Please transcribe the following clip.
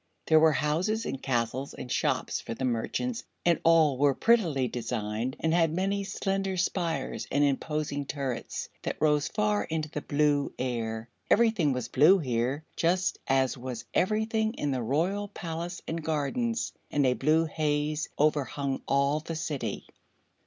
There were houses and castles and shops for the merchants and all were prettily designed and had many slender spires and imposing turrets that rose far into the blue air. Everything was blue here, just as was everything in the Royal Palace and gardens, and a blue haze overhung all the city.